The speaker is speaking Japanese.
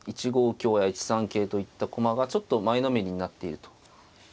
香や１三桂といった駒がちょっと前のめりになっていると。